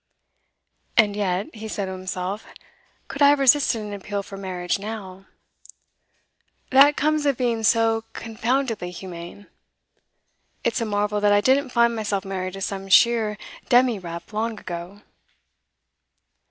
'And yet,' he said to himself, 'could I have resisted an appeal for marriage now? That comes of being so confoundedly humane. It's a marvel that I didn't find myself married to some sheer demirep long ago.